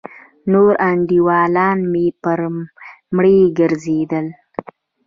نور انډيولان مې پر مړيو گرځېدل.